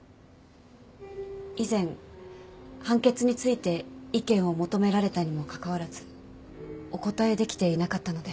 以前判決について意見を求められたにもかかわらずお答えできていなかったので。